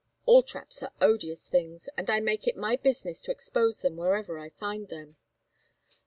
All traps are odious things, and I make it my business to expose them wherever I find them.